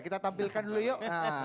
kita tampilkan dulu yuk